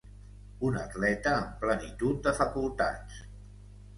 Un atleta en plenitud de facultats.